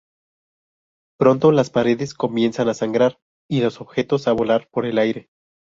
Pronto, las paredes comienzan a sangrar y los objetos, a volar por el aire.